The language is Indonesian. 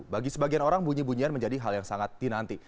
bagi sebagian orang bunyi bunyian menjadi hal yang sangat dinanti